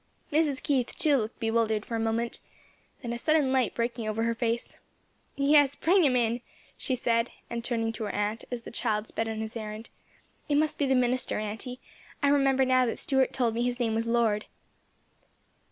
Mrs. Keith, too, looked bewildered for a moment, then a sudden light breaking over her face, "Yes, bring him in," she said, and turning to her aunt as the child sped on his errand, "It must be the minister, auntie; I remember now that Stuart told me his name was Lord."